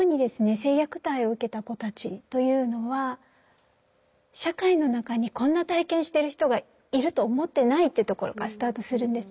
性虐待を受けた子たちというのは社会の中にこんな体験してる人がいると思ってないというところからスタートするんですね。